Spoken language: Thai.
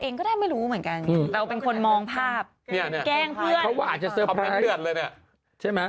เองก็ได้ไม่รู้เหมือนกันเราเป็นคนมองภาพแกล้งเพื่อนเขาอาจจะเซอร์ไพรส์